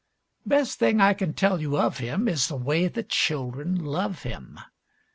Best thing I can tell you of him Is the way the children love him.